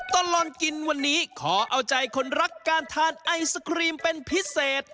ตลอดกินวันนี้ขอเอาใจคนรักการทานไอศครีมเป็นพิเศษ